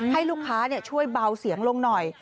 ให้ลูกค้าช่วยเบาเสียงลงหน่อย